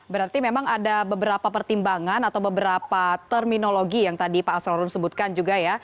berarti memang ada beberapa pertimbangan atau beberapa terminologi yang tadi pak asrorun sebutkan juga ya